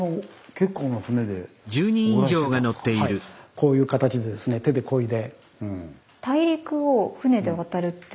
こういう形でですね手でこいで。